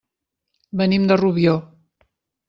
Venim de Rubió.